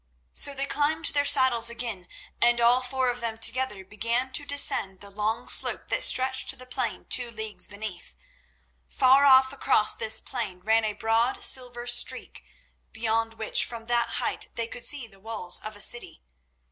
So they climbed to their saddles again, and, all four of them together began to descend the long slope that stretched to the plain two leagues beneath. Far off across this plain ran a broad silver streak, beyond which from that height they could see the walls of a city.